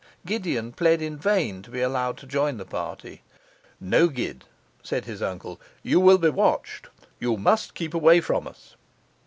Gideon pled in vain to be allowed to join the party. 'No, Gid,' said his uncle. 'You will be watched; you must keep away from us.